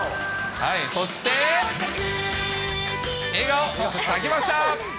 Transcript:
そして、笑顔咲きました。